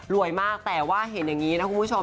รวยมากแต่เห็นอย่างงี้นะครับคุณผู้ชม